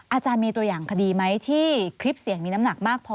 อาจารย์มีตัวอย่างคดีไหมที่คลิปเสียงมีน้ำหนักมากพอ